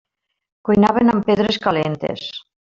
Cuinaven amb pedres calentes.